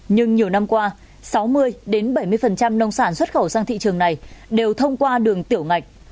nhưng nhiều năm qua sáu mươi bảy mươi nông sản xuất khẩu sang thị trường này đều thông qua đường tiểu ngạch